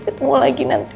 ketemu lagi nanti